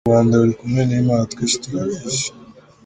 U Rwanda ruri kumwe n’Imana twese turabizi.”